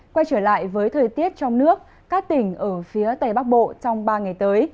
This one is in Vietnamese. quay trở lại với thời tiết trong nước các tỉnh ở phía tây bắc bộ trong ba ngày tới